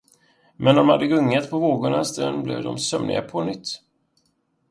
Men när de hade gungat på vågorna en stund, blev de sömniga på nytt.